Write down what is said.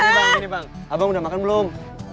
ini bang ini bang abang udah makan belum